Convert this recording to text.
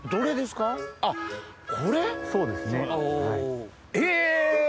そうですね